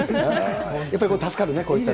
やっぱり助かるね、こういった所は。